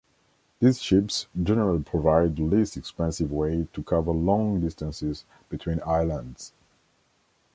These ships generally provide the least expensive way to cover long distances between islands.